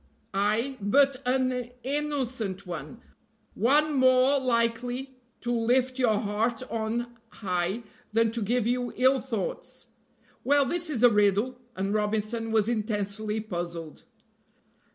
"Ay, but an innocent one, one more likely to lift your heart on high than to give you ill thoughts." "Well, this is a riddle;" and Robinson was intensely puzzled.